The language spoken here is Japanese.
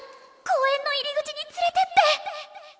公園の入り口に連れてって！